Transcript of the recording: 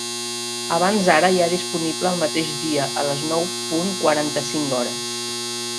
Abans ara hi ha disponible el mateix dia a les nou punt quaranta-cinc hores.